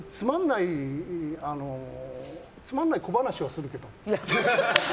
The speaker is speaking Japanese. つまんない小話をするとか。